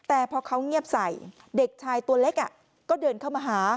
แต่พอเขาเงียบใส่เด็กชายตัวเล็กก็เดินเข้ามาหา